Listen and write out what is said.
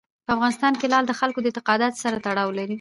په افغانستان کې لعل د خلکو د اعتقاداتو سره تړاو لري.